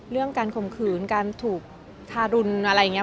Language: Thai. เรื่องการข่มขืนการถูกทารุณอะไรอย่างนี้